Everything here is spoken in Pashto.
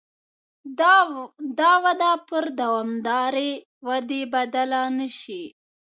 دا وده پر دوامدارې ودې بدله نه شي.